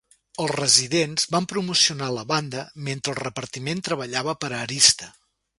Els residents van promocionar la banda mentre el repartiment treballava per a Arista.